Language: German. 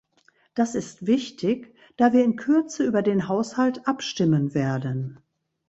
Das ist wichtig, da wir in Kürze über den Haushalt abstimmen werden.